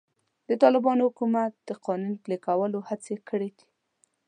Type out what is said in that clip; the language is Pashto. د طالبانو حکومت د قانون پلي کولو هڅې کړې دي.